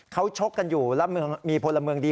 เขาชกกันอยู่แล้วมีพลเมืองดี